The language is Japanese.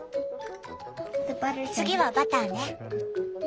次はバターね。